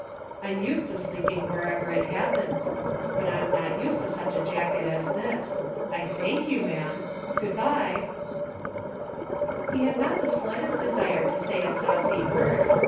"I'm used to sleeping wherever it hap pens ; but I'm not used to such a jacket as this. I thank you, ma'am. Good by !" UNSEEN CONNECTIONS. 79 He had not the slightest desire to say a saucy word.